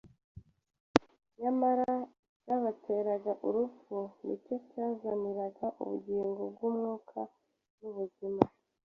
Nyamara icyabateraga urupfu nicyo cyazaniraga ubugingo bw’umwuka n’ubuzima